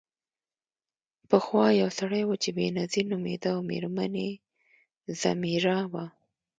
پخوا یو سړی و چې بینظیر نومیده او میرمن یې ځمیرا وه.